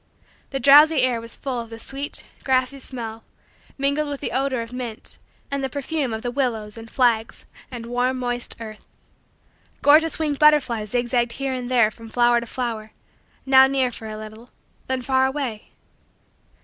The drowsy air was full of the sweet, grassy, smell mingled with the odor of mint and the perfume of the willows and flags and warm moist earth. Gorgeous winged butterflies zigzagged here and there from flower to flower now near for a little then far away.